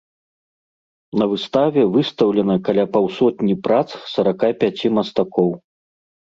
На выставе выстаўлена каля паўсотні прац сарака пяці мастакоў.